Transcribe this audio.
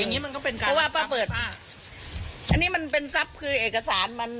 อย่างงี้มันก็เป็นการปรับป้าอันนี้มันเป็นซัพคือเอกสารมัน